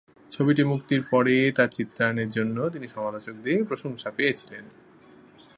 ছবিটি মুক্তির পরে, তাঁর চিত্রায়নের জন্য তিনি সমালোচকদের প্রশংসা পেয়েছিলেন।